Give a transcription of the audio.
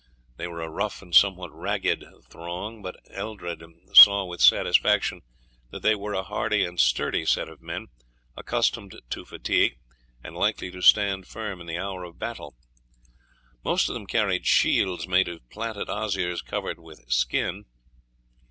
They were a rough and somewhat ragged throng, but Eldred saw with satisfaction that they were a hard and sturdy set of men, accustomed to fatigue and likely to stand firm in the hour of battle. Most of them carried shields made of platted osiers covered with skin.